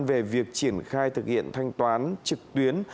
về việc triển khai thực hiện thanh toán trực tuyến